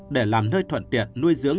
để làm nơi thuận tiện nuôi dưỡng